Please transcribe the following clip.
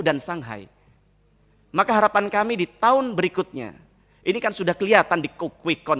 dan shanghai maka harapan kami di tahun berikutnya ini kan sudah kelihatan di kukwikon